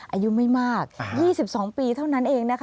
อายุไม่มาก๒๒ปีเท่านั้นเองนะคะ